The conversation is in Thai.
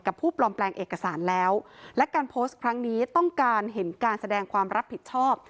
ผู้ปลอมแปลงเอกสารแล้วและการโพสต์ครั้งนี้ต้องการเห็นการแสดงความรับผิดชอบ